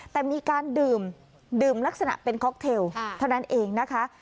แต่มีการดื่มลักษณะเป็นค็อกเทลเท่านั้นเองนะคะ